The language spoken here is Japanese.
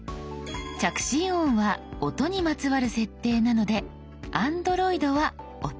着信音は音にまつわる設定なのでＡｎｄｒｏｉｄは「音」